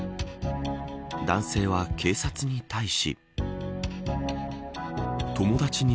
男性は警察に対し。